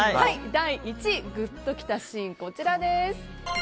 第１位、グッときたシーンです。